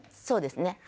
そうですね。